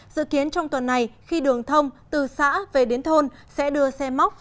dự kiến trong tuần này khi đường thông từ xã về đến thôn sẽ đưa xe móc